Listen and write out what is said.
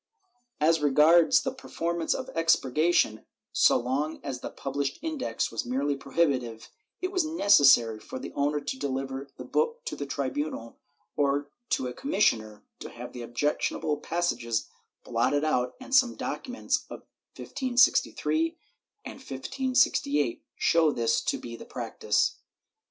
^ As regards the performance of expurgation, so long as the pub lished Index was merely prohibitive, it was necessary for the owner to deliver the book to the tribunal or to a commissioner to have the objectionable passages blotted out and some documents of 1563 and 1568 show this to be the practice.